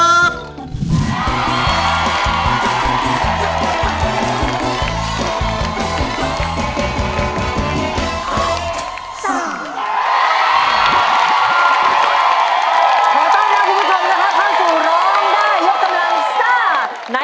ขอต้อนรับทุกผู้ชมนะคะข้างสู่ร้องได้ยกตำรางซ่า